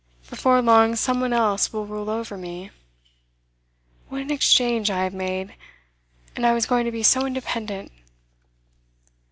Before long some one else will rule over me. What an exchange I have made! And I was going to be so independent.